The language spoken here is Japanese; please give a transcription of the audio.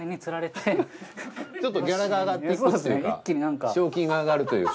ちょっとギャラが上がっていくっていうか賞金が上がるというか。